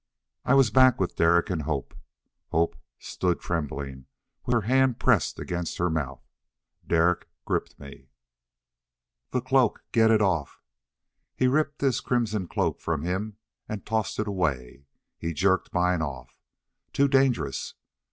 I was back with Derek and Hope. Hope stood trembling, with her hand pressed against her mouth. Derek gripped me. "That cloak, get it off!" He ripped his crimson cloak from him and tossed it away. He jerked mine off. "Too dangerous!